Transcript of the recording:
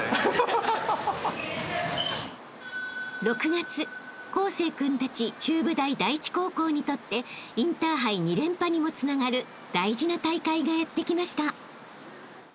［６月康成君たち中部大第一高校にとってインターハイ２連覇にもつながる大事な大会がやって来ました］